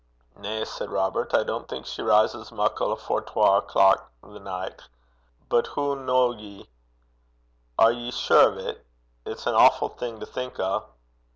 'Na,' said Robert; 'I dinna think she rises muckle afore twa o'clock the nicht. But hoo ken ye? Are ye sure o' 't? It's an awfu' thing to think o'.'